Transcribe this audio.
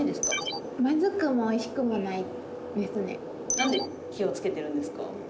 何で気をつけてるんですか？